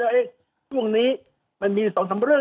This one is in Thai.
คือสิ่งที่ดีแม่ง